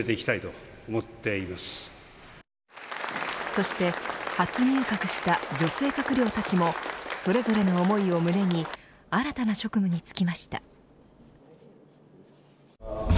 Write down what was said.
そして初入閣した女性閣僚たちもそれぞれの思いを胸に新たな職務に着きました。